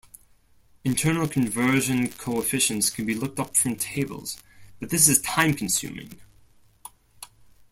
Internal conversion coefficients can be looked up from tables, but this is time-consuming.